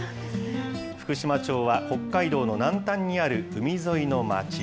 福島町は、北海道の南端にある海沿いの町。